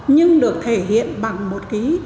nhưng được thể hiện bằng một cái